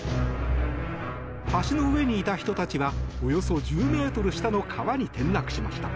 橋の上にいた人たちはおよそ１０ｍ下の川に転落しました。